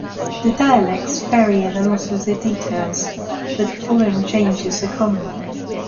The dialects vary a lot in the details, but the following changes are common.